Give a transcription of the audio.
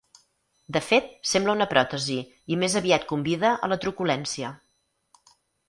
De fet, sembla una pròtesi i més aviat convida a la truculència.